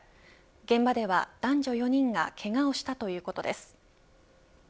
現場では男女４人がけがをしたということです。